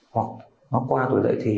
hoặc nó qua tuổi đại thị